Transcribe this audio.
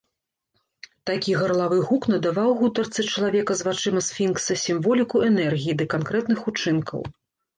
Такі гарлавы гук надаваў гутарцы чалавека з вачыма сфінкса сімволіку энергіі ды канкрэтных учынкаў.